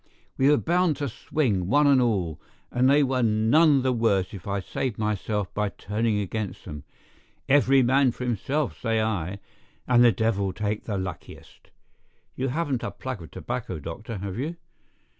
"We were bound to swing, one and all, and they were none the worse if I saved myself by turning against them. Every man for himself, say I, and the devil take the luckiest. You haven't a plug of tobacco, doctor, have you?"